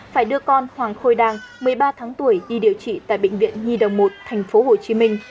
phải đưa con hoàng khôi đàng một mươi ba tháng tuổi đi điều trị tại bệnh viện nhi đồng một tp hcm